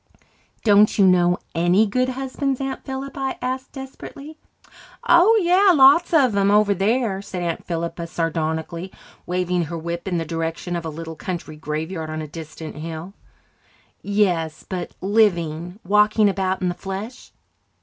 "Don't you know any good husbands, Aunt Philippa?" I asked desperately. "Oh, yes, lots of 'em over there," said Aunt Philippa sardonically, waving her whip in the direction of a little country graveyard on a distant hill. "Yes, but living walking about in the flesh?"